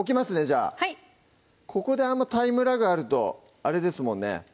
じゃあはいここであんまタイムラグあるとあれですもんね